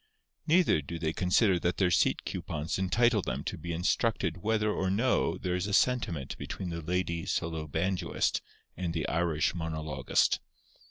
Neither do they consider that their seat coupons entitle them to be instructed whether or no there is a sentiment between the lady solo banjoist and the Irish monologist.